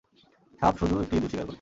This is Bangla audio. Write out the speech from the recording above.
সাপ শুধু একটি ইঁদুর শিকার করে।